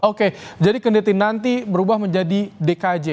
oke jadi nanti berubah menjadi dkj